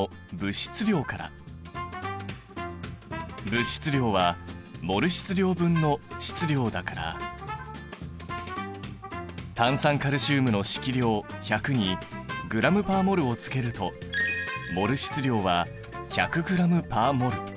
物質量はモル質量分の質量だから炭酸カルシウムの式量１００にｇ／ｍｏｌをつけるとモル質量は１００ｇ／ｍｏｌ。